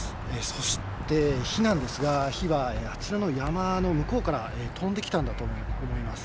そして、火なんですが、火はあちらの山の向こうから飛んできたんだと思います。